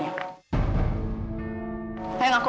memangnya dia siapa